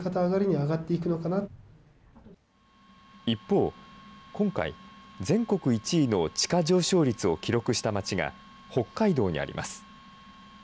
一方、今回、全国１位の地価上昇率を記録した街が北海道にあります。